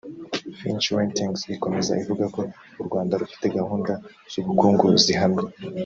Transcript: Fitch Ratings ikomeza ivuga ko u Rwanda rufite gahunda z’ubukungu zihamye